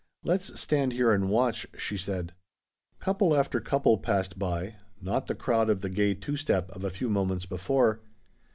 "Let's stand here and watch," she said. Couple after couple passed by, not the crowd of the gay two step of a few moments before.